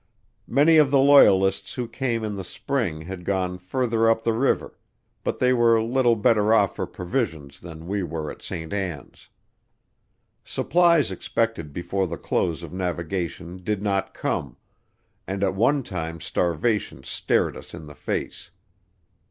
Many of the Loyalists who came in the spring had gone further up the river, but they were little better off for provisions than we were at St. Ann's. Supplies expected before the close of navigation did not come, and at one time starvation stared us in the face.